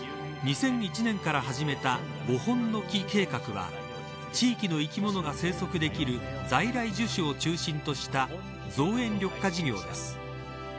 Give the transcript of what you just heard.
２００１年から始めた５本の樹計画は地域の生き物が生息できる在来樹種を中心とした造園緑化事業です。